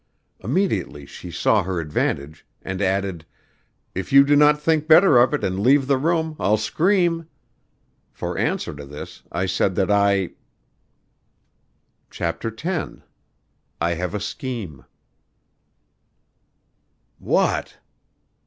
Immediately she saw her advantage, and added, 'If you do not think better of it and leave the room, I'll scream.' For answer to this I said that I " CHAPTER X "I have a scheme" "What?"